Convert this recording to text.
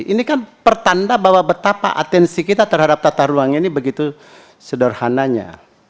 ini kan pertanda bahwa betapa atensi kita terhadap tata ruang ini begitu sederhananya